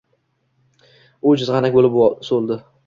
U jizg’anak bo’lib, so’ldi.